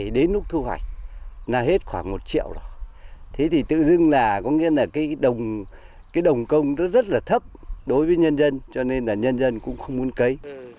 nên là hết khoảng một triệu rồi thế thì tự dưng là có nghĩa là cái đồng công rất là thấp đối với nhân dân cho nên là nhân dân cũng không muốn cấy